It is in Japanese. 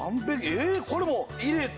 えっこれも入れて。